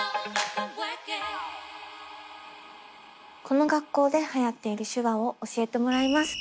この学校ではやっている手話を教えてもらいます。